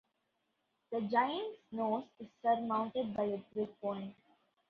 The Giant's nose is surmounted by a trig point.